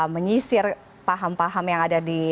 menyisir paham paham yang ada di media sosial ini